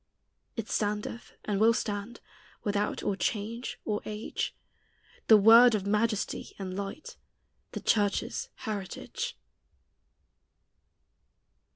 It standeth and will stand, Without or change or age, The word of majesty and light, The church's heritage.